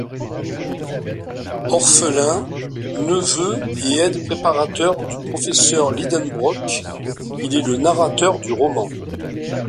Orphelin, neveu et aide-préparateur du professeur Lidenbrock, il est le narrateur du roman.